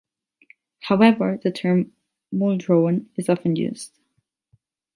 However, the term Muldrowan is often used.